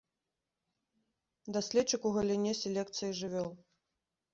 Даследчык у галіне селекцыі жывёл.